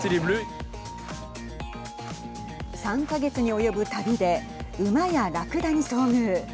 ３か月に及ぶ旅で馬や、らくだに遭遇。